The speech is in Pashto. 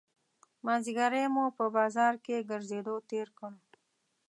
مازیګری مو په بازار کې ګرځېدو تېر کړ.